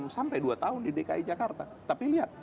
sampai dua tahun di dki jakarta tapi lihat